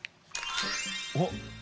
おっ。